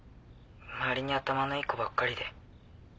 ☎周りに頭のいい子ばっかりで。